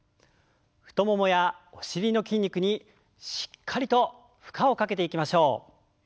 太ももやお尻の筋肉にしっかりと負荷をかけていきましょう。